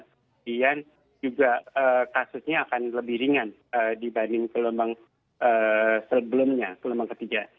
kemudian juga kasusnya akan lebih ringan dibanding gelombang sebelumnya gelombang ketiga